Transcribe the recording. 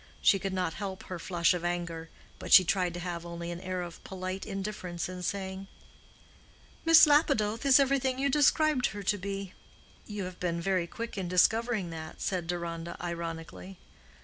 She could not help her flush of anger, but she tried to have only an air of polite indifference in saying, "Miss Lapidoth is everything you described her to be." "You have been very quick in discovering that," said Deronda, ironically.